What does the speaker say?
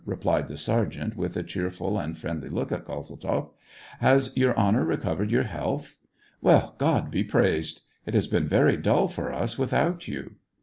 repUed the sergeant, with a cheer ful and friendly look at Kozeltzoff. "Has Your Honor recovered your health ? Well, God be praised. It has been very dull for us without you."